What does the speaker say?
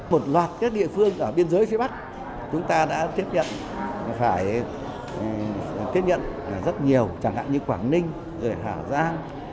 một loạt các địa phương ở biên giới phía bắc chúng ta đã tiếp nhận phải tiếp nhận rất nhiều chẳng hạn như quảng ninh rồi hà giang